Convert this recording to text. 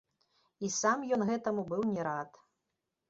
І сам ён гэтаму быў не рад.